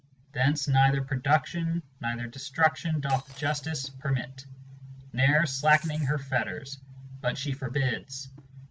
Thence neither production Neither destruction doth Justice permit, ne'er slackening her fetters; But she forbids.